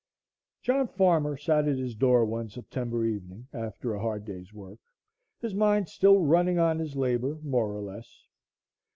John Farmer sat at his door one September evening, after a hard day's work, his mind still running on his labor more or less.